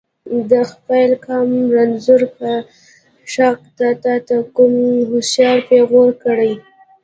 د خپل قام رنځور په شاکه ته ته کوم هوښیار پیغور کړي.